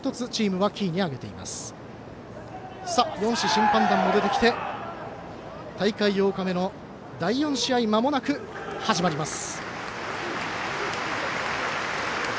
審判団も出てきて大会８日目、第４試合まもなく始まります。